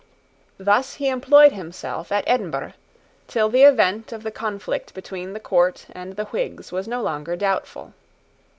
Thus he employed himself at Edinburgh, till the event of the conflict between the court and the Whigs was no longer doubtful.